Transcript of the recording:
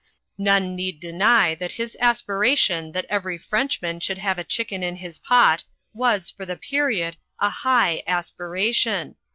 None need deny that his aspiration that every Frenchman should have a chicken in his pot was, for his period, a high aspiration.